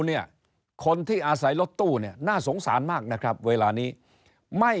เนี่ยคนที่อาศัยรถตู้เนี่ยน่าสงสารมากนะครับเวลานี้ไม่